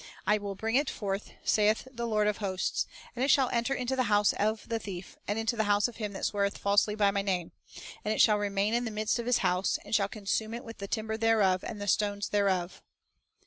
I will bring it forth, saith the Lord of hosts, and it shall enter into the house of the thief, and into the house of him that sweareth falsely by My name; and it shall remain in the midst of his house, and shall consume it with the timber thereof and the stones thereof."